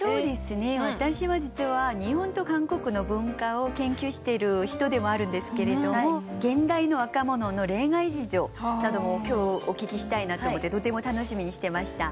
私は実は日本と韓国の文化を研究している人でもあるんですけれども現代の若者の恋愛事情なども今日お聞きしたいなと思ってとても楽しみにしてました。